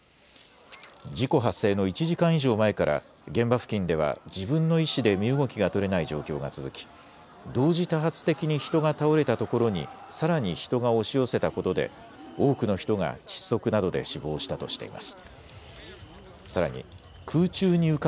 事故発生の１時間以上前から、現場付近では自分の意思で身動きが取れない状況が続き、同時多発的に人が倒れたところにさらに人が押し寄せたことで、多くの人が窒息などで死亡したとしています。